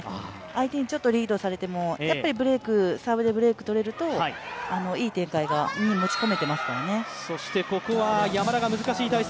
相手にちょっとリードされても、やはりサーブでブレークが取れるといい展開に持ち込めていますからね。